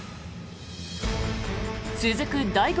続く第５